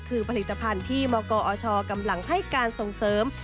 คือผลิตภัณฑ์ที่มกอชกำลังให้การส่งเสริม